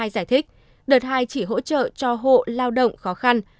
hai giải thích đợt hai chỉ hỗ trợ cho hộ lao động khó khăn